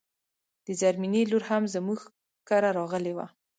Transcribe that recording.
د زرمينې لور هم زموږ کره راغلی و